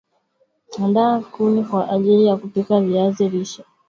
Andaa kuni kwa ajili ya kupika viazi lishe